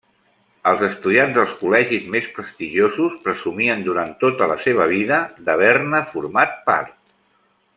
Els estudiants dels col·legis més prestigiosos presumien durant tota la seva vida d'haver-ne format part.